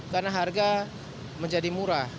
karena harga menjadi murah